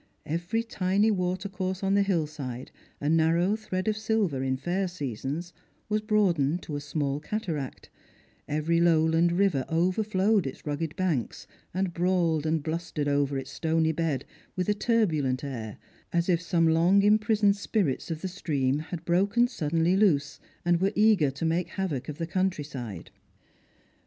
Every tiny watercourse upon the hill side, a narrow thread of silver in fair seasons, was broadened to a small cataract ; every lowland river overflowed its rugged banks, and brawled and blustered over its stony bed, with a turbulent air, as if some long imprisoned spirit of the stream had broken suddenly loose and were eager to make havoc of the country side.